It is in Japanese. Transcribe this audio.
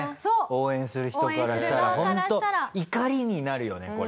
応援する人からしたらホント怒りになるよねこれ。